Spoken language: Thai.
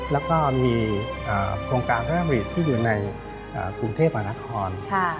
แล้วก็มีโครงการพระท่านบริษฐ์ที่อยู่ในกรุงเทพฯอนักฮร